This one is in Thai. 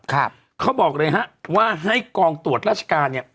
เขาบอกเลยฮะว่าให้กองตรวจราชการเนี่ย